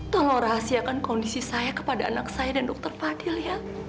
tolong rahasiakan kondisi saya kepada anak saya dan dr fadil ya